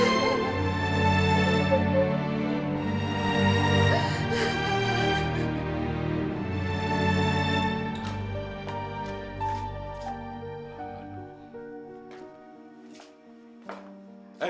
ibu mau ketemu davina